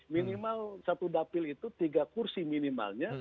minimal satu dapil itu tiga kursi minimalnya